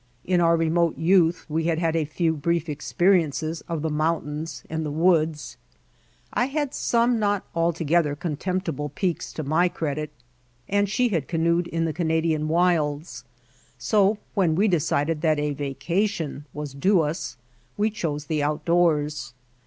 In our remote youth we had had a few brief experi ences of the mountains and the woods; I had some not altogether contemptible peaks to my credit and she had canoed in the Canadian wilds, so when we decided that a vacation was due us White Heart of Mojave we chose the outdoors.